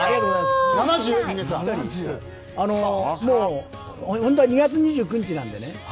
もう本当は２月２９日なんでね。